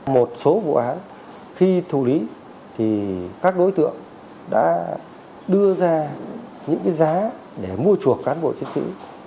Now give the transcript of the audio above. một số vụ án khi thủ lý thì các đối tượng đã đưa ra những cái giá để mua chuộc cán bộ chiến sĩ